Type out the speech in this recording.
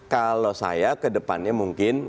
kalau saya ke depannya mungkin